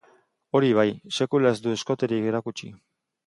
Hori bai, sekula ez du eskoterik erakutsi.